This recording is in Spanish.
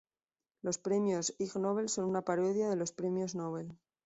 Los premios Ig Nobel son una parodia de los Premios Nobel.